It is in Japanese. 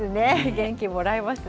元気もらえますね。